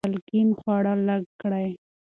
مالګین خواړه لږ کړئ.